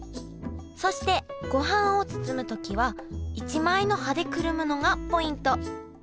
そしてごはんを包む時は一枚の葉でくるむのがポイント。